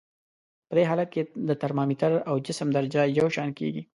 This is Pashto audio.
په دې حالت کې د ترمامتر او جسم درجه یو شان کیږي.